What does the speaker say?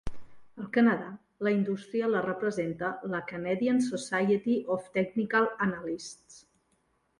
Al Canadà, la indústria la representa la Canadian Society of Technical Analysts.